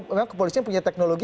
memang kepolisian punya teknologi